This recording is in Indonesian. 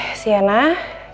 jangan kebanyakan mikir